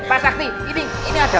pak ini tandanya